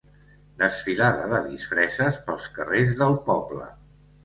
Desfilada de disfresses pels carrers del poble.